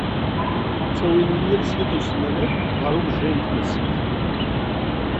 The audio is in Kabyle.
Ttawin-iyi yal snat n smanat ɣer umejjay n tnefsit.